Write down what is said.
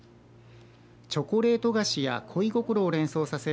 チョコレート菓子や恋心を連想させる